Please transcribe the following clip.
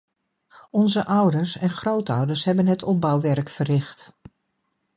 Onze ouders en grootouders hebben het opbouwwerk verricht.